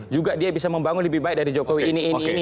juga dia bisa membangun lebih baik dari jokowi ini ini